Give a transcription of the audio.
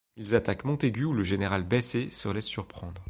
Ils attaquent Montaigu où le général Beysser se laisse surprendre.